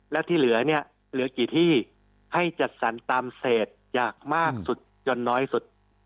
แล้วที่เหลือนี้หลักกี่ที่ให้จัดสรรตามเศษจากมากจนน้อยจนกว่าอีกสุด